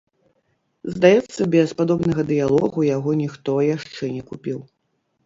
Здаецца, без падобнага дыялогу яго ніхто яшчэ не купіў.